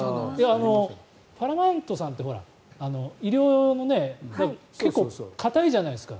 パラマウントさんって医療用の結構、硬いじゃないですか。